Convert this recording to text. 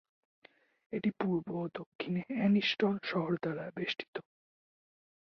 এটি পূর্ব ও দক্ষিণে অ্যানিস্টন শহর দ্বারা বেষ্টিত।